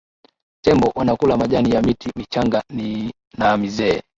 tembo wanakula majani ya miti michanga na mizee